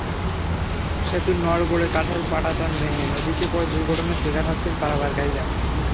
সেতুর নড়বড়ে কাঠের পাটাতন ভেঙে নদীতে পড়ে দুর্ঘটনারও িশকার হচ্ছেন পারাপারকারীরা।